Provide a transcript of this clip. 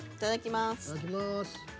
いただきます。